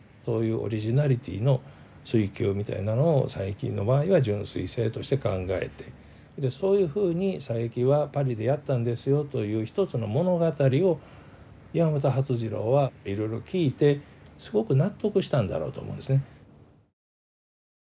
そういうオリジナリティーの追求みたいなのを佐伯の場合は純粋性として考えてそういうふうに佐伯はパリでやったんですよという一つの物語を山本發次郎はいろいろ聞いてすごく納得したんだろうと思うんですね。